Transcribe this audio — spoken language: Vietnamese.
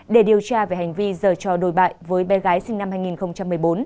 để điều tra về hành vi dở cho đổi bại với bé gái sinh năm hai nghìn một mươi bốn